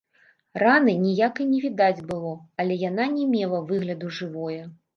Раны ніякае не відаць было, але яна не мела выгляду жывое.